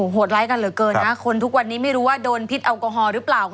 โหดร้ายกันเหลือเกินนะคนทุกวันนี้ไม่รู้ว่าโดนพิษแอลกอฮอลหรือเปล่า